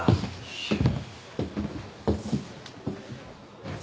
いや。